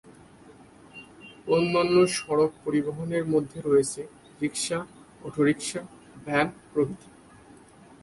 অন্যান্য সড়ক পরিবহনের মধ্যে রয়েছে রিকশা, অটোরিকশা, ভ্যান প্রভৃতি।